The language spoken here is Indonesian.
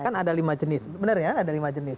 kan ada lima jenis benar ya ada lima jenis